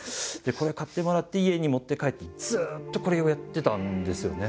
これを買ってもらって家に持って帰ってずっとこれをやってたんですよね。